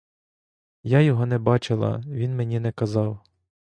Я його не бачила, він мені не казав.